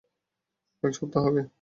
কয়েক সপ্তাহ আগে।